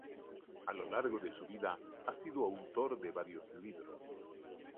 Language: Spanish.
A lo largo de su vida ha sido autor de varios libros.